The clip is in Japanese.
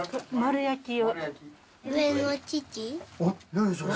何それ。